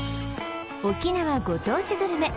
沖縄ご当地グルメ